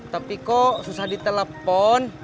tapi kok susah ditelepon